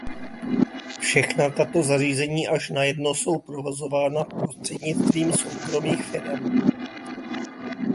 Všechna tato zařízení až na jedno jsou provozována prostřednictvím soukromých firem.